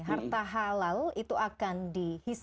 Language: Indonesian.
harta halal itu akan dihitung